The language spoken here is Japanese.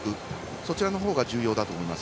そちらのほうが重要だと思います。